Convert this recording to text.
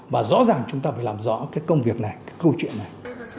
và rõ ràng chúng ta phải làm rõ cái công việc này cái câu chuyện này